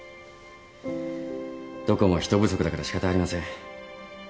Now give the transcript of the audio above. どこも人不足だから仕方ありません。